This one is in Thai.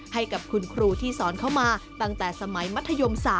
ให้กับคุณครูที่สอนเข้ามาตั้งแต่สมัยมัธยม๓